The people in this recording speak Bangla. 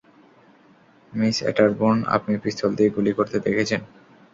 মিস অট্যারবোর্ন, আপনি পিস্তল দিয়ে গুলি করতে দেখেছেন।